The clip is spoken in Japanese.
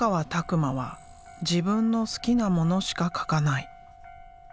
馬は自分の好きなものしか描かない。